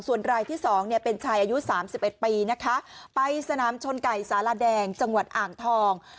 ส่วนรายที่๒เนี่ยเป็นชายอายุ๓๑ปีนะคะไปสนามชนไก่สารแดงจังหวัดอ่างทอง